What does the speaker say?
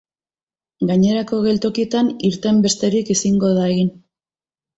Gainerako geltokietan irten besterik ezingo da egin.